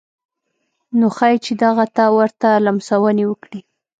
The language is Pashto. نو ښايي چې دغه ته ورته لمسونې وکړي.